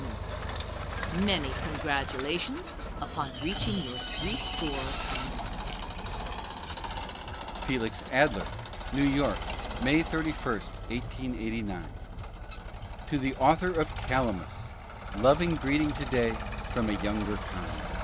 i — Many congratulations upon reaching your three score and ten. Felix Adler: New York, May 31, 1889. To the author of "Calamus," loving greeting to day from a younger comrade.